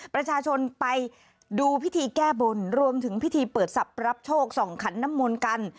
ประชาชนไปดูพิธีแก้บนรวมถึงพิธีเปิดศัพท์รับโชคส่องขันน้ำมนต์กัน